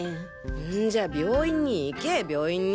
んじゃ病院に行け病院に！